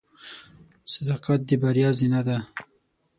• صداقت د بریا زینه ده.